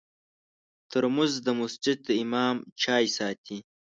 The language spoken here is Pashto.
ترموز د مسجد د امام چای ساتي.